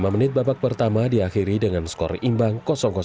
lima menit babak pertama diakhiri dengan skor imbang